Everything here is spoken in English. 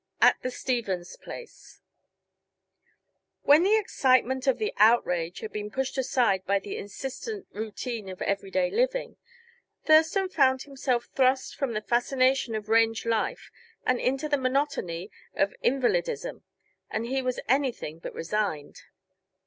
AT THE STEVENS PLACE When the excitement of the outrage had been pushed aside by the insistent routine of everyday living, Thurston found himself thrust from the fascination of range life and into the monotony of invalidism, and he was anything but resigned.